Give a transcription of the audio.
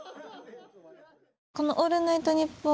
この「オールナイトニッポン」